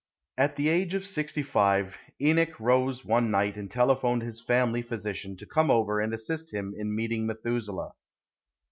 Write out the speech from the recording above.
At the age of sixty five Enoch arose one night and telephoned his family physician to come over and assist him in meeting Methuselah.